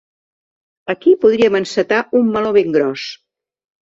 Aquí podríem encetar un meló ben gros.